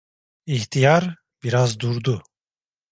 İhtiyar biraz durdu.